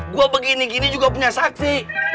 gue begini gini juga punya saksi